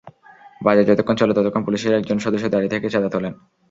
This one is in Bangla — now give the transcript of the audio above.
বাজার যতক্ষণ চলে ততক্ষণ পুলিশের একজন সদস্য দাঁড়িয়ে থেকে চাঁদা তোলেন।